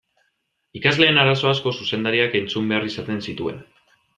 Ikasleen arazo asko zuzendariak entzun behar izaten zituen.